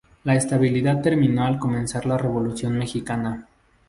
La estabilidad terminó al comenzar la Revolución mexicana.